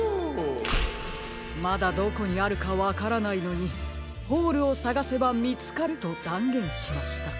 まだどこにあるかわからないのに「ホールをさがせばみつかる」とだんげんしました。